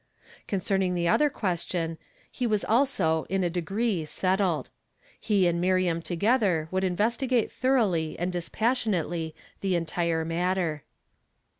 Concerning the other question, he was also, in a degree, settled. He and Miriam together would investigate thoroughly and dispas sionately the entire matter.